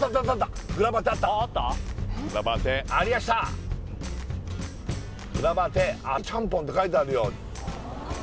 あっちゃんぽんって書いてあるよ